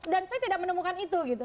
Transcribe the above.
dan saya tidak menemukan itu gitu